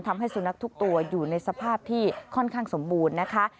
ทำให้สุนัขทุกตัวอยู่ในสภาพที่ค่อนข้างสมบูรณ์นะคะ